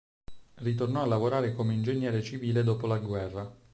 Ritornò a lavorare come ingegnere civile dopo la guerra.